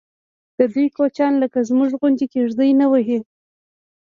ددوی کوچیان لکه زموږ غوندې کېږدۍ نه وهي.